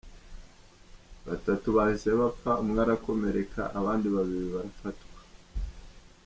Batatu bahise bapfa, umwe arakomereka abandi babiri barafatwa.